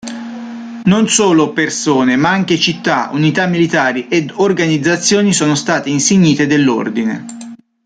Non solo persone, ma anche città, unità militari ed organizzazioni sono state insignite dell'ordine.